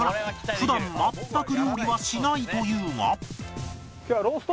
普段全く料理はしないというが